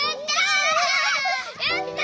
やった！